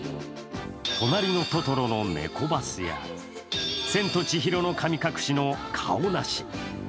「となりのトトロ」のネコバスや「千と千尋の神隠し」のカオナシ。